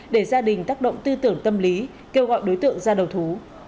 để gia đình tác động tư tưởng tâm lý kêu gọi đối tượng ra đầu thú